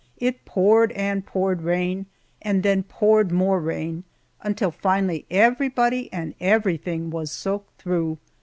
It poured and poured rain, and then poured more rain, until finally everybody and everything was soaked through.